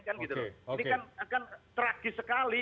ini kan akan tragis sekali